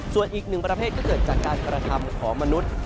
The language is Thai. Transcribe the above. ส่วนอีกหนึ่งประเภทก็เกิดจากการกระทำของมนุษย์